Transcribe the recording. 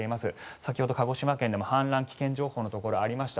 先ほど鹿児島県でも氾濫危険情報のところがありました。